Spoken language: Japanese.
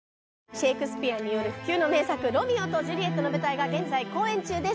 シェイクスピアによる不朽の名作「ロミオとジュリエット」の舞台が現在公演中です